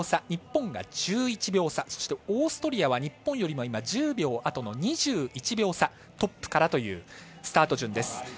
日本が１１秒差そしてオーストリアは日本よりも１０秒あとの２１秒差、トップからというスタート順です。